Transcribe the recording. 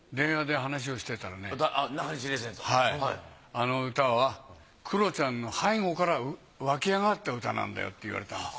あの歌は黒ちゃんの背後から湧きあがった歌なんだよって言われたんです。